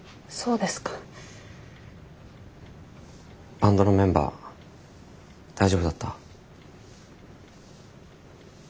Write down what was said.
バンドのメンバー大丈夫だった？